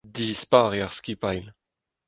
Dispar eo ar skipailh.